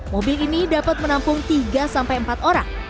mobil ini dapat menampung tiga sampai empat orang